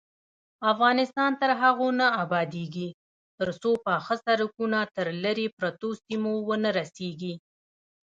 افغانستان تر هغو نه ابادیږي، ترڅو پاخه سړکونه تر لیرې پرتو سیمو ونه رسیږي.